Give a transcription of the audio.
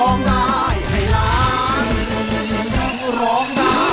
ร้องได้ให้ล้าน